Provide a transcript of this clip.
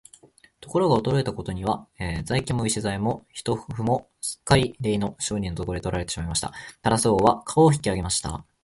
ところが、驚いたことには、材木も石材も人夫もすっかりれいの商人のところへ取られてしまいました。タラス王は価を引き上げました。